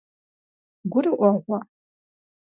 ГурыӀуэгъуэ?